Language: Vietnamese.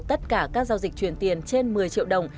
tất cả các giao dịch truyền tiền trên một mươi triệu đồng